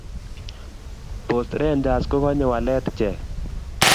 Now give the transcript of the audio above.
post rangers kokanye walet ichek